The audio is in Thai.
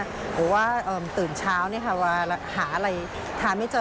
หรือว่าตื่นเช้ามาหาอะไรทานไม่เจอ